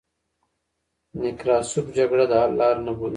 نکراسوف جګړه د حل لار نه بولي.